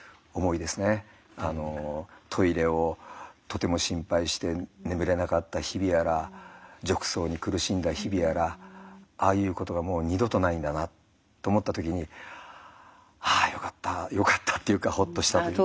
トイレをとても心配して眠れなかった日々やら褥瘡に苦しんだ日々やらああいうことがもう二度とないんだなって思った時にああよかったよかったっていうかほっとしたというか。